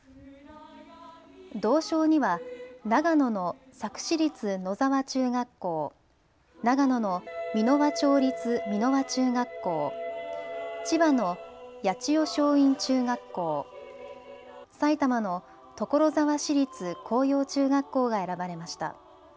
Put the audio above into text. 銅賞には長野の佐久市立野沢中学校、長野の箕輪町立箕輪中学校、千葉の八千代松陰中学校、埼玉の所沢市立向陽中学校が選ばれました。